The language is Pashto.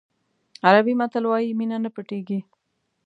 عربي متل وایي مینه نه پټېږي.